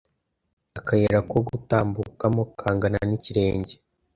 akayira ko gutambukamo kangana n’ikirenge